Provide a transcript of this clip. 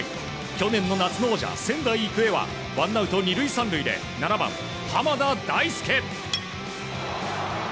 去年の夏の王者、仙台育英はワンアウト２塁３塁で７番、濱田大輔。